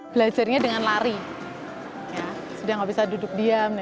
belajarnya dengan lari sudah nggak bisa duduk diam